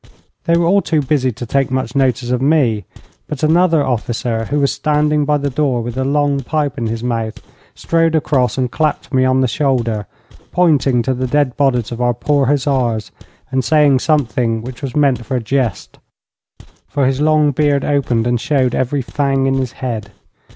They were all too busy to take much notice of me, but another officer, who was standing by the door with a long pipe in his mouth, strode across and clapped me on the shoulder, pointing to the dead bodies of our poor hussars, and saying something which was meant for a jest, for his long beard opened and showed every fang in his head.